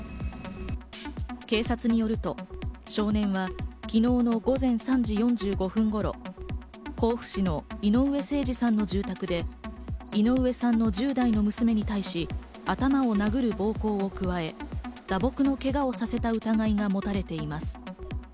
警察によると少年は昨日の午前３時４５分頃、甲府市の井上盛司さんの住宅で、井上さんの１０代の娘に対し頭を殴る暴行を加え打撲のけがをさせた疑いが持たれています。